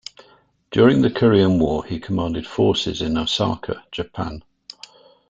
During the Korean War he commanded forces in Osaka, Japan.